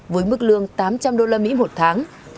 với mức lương tám trăm linh usd một tháng